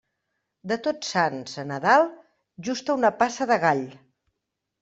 De Tots Sants a Nadal, justa una passa de gall.